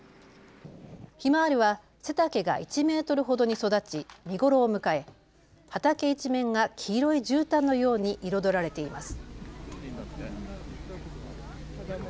ひまわりは背丈が１メートルほどに育ち見頃を迎え畑一面が黄色いじゅうたんのように彩られています。